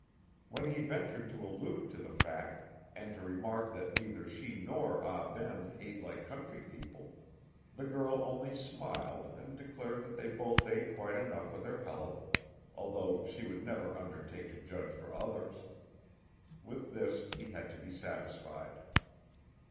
When he ventured to allude to the fact, and to remark that neither she nor Ah Ben ate like country people, the girl only smiled and declared that they both ate quite enough for their health, although she would never undertake to judge for others. With this he had to be satisfied.